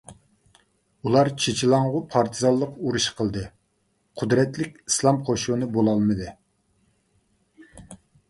ئۇلار چېچىلاڭغۇ پارتىزانلىق ئۇرۇشى قىلدى، قۇدرەتلىك ئىسلام قوشۇنى بولالمىدى.